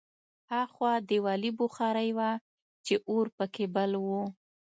هاخوا دېوالي بخارۍ وه چې اور پکې بل و